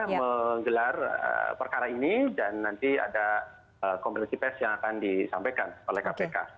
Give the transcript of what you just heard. menggelar perkara ini dan nanti ada kompetensi pes yang akan disampaikan oleh kpk